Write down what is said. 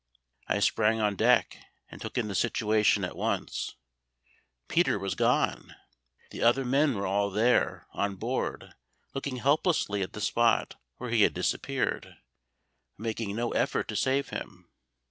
I sprang on deck, and took in the situation at a glance. Peter was gone! The other men were all there, on board, looking helplessly at the spot where he had disappeared, but making no effort to save him.